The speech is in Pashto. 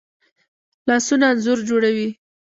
لاسونه انځور جوړوي